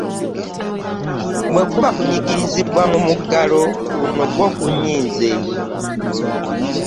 Bwekuba kunyigirizibwa mu muggalo guno, gwo gunyize.